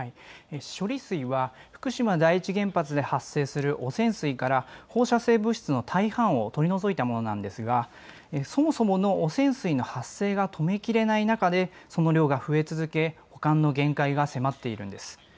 処理水は福島第一原発で発生する汚染水から放射性物質の大半を取り除いたものなんですがそもそもの汚染水の発生が止めきれない中でその量が増え続け、保管の限界が迫っているんです。